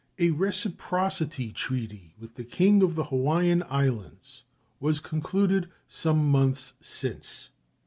A reciprocity treaty with the King of the Hawaiian Islands was concluded some months since.